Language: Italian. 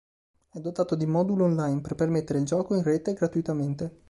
È dotato di modulo online, per permettere il gioco in rete gratuitamente.